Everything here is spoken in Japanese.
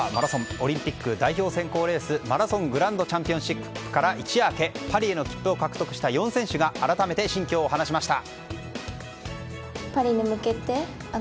オリンピック代表選考レースマラソングランドチャンピオンシップから一夜明けパリへの切符を獲得した４選手が改めて、心境を話しました。